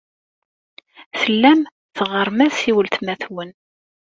Tellam teɣɣarem-as i weltma-twen.